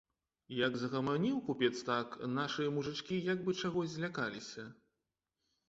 Як загаманіў купец так, нашы мужычкі як бы чагось злякаліся.